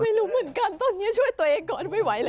ไม่รู้เหมือนกันตอนนี้ช่วยตัวเองก่อนไม่ไหวแล้ว